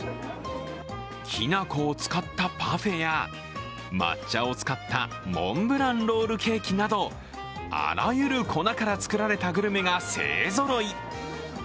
きな粉を使ったパフェや抹茶を使ったモンブランロールケーキなどあらゆる粉から作られたグルメが勢ぞろい。